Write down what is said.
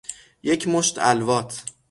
یک مشت الواط